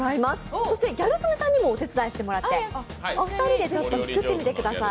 そしてギャル曽根さんにもお手伝いいただいてお二人で作ってみてください。